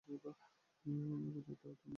এই প্রযুক্তি আর তুমি, দুইজনেই।